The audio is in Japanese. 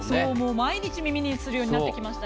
毎日耳にするようになってきましたね。